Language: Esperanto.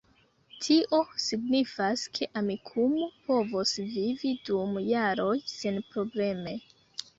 Tio signifas, ke Amikumu povos vivi dum jaroj senprobleme